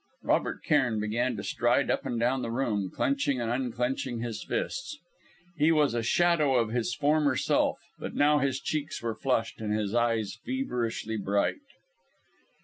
Robert Cairn began to stride up and down the room, clenching and unclenching his fists. He was a shadow of his former self, but now his cheeks were flushed and his eyes feverishly bright.